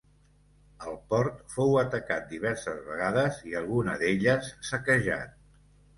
El port fou atacat diverses vegades i alguna d'elles saquejat.